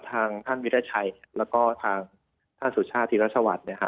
ทางท่านวิทยาชัยแล้วก็ทางท่านสุชาติรัชวรรดิ